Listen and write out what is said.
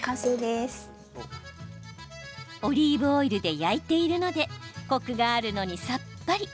オリーブオイルで焼いているのでコクがあるのにさっぱり。